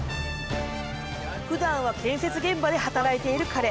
ふだんは建設現場で働いている彼。